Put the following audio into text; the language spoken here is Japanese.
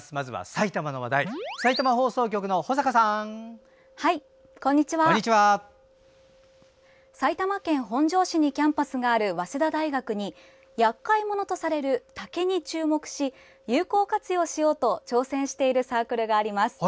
埼玉県本庄市にキャンパスがある早稲田大学にやっかいものとされる竹に注目し有効活用しようと挑戦しているサークルがあります。